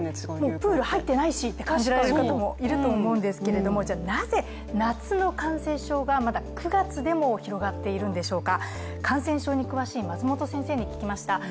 もうプール入ってないしと思う方もいると思うんですけどなぜ、夏の感染症が９月でも広がっているんでしょうか。